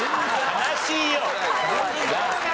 悲しいよ！